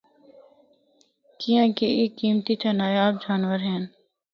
کیانکہ اے قیمتی تے نایاب جانور ہن۔